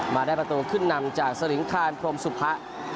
มาได้ประตูขึ้นนำจากสลิงคารพรมสุภะ